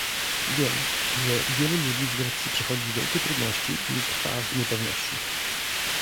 Wiem, że wielu ludzi w Grecji przechodzi wielkie trudności i trwa w niepewności